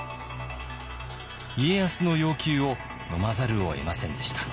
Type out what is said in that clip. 家康の要求をのまざるをえませんでした。